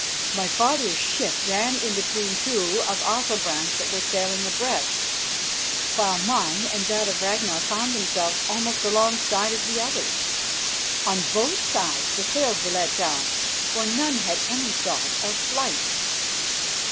My father's ship ran in between two of Athalbrand's that were sailing abreast, while mine and that of Ragnar found themselves almost alongside of the others. On both sides the sails were let down, for none had any thought of flight.